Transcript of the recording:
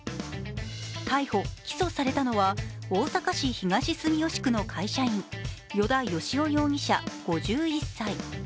逮捕・起訴されたのは大阪市東住吉区の会社員依田淑雄容疑者５１歳。